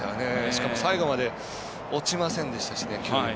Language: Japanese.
しかも、最後まで落ちませんでしたね、球威も。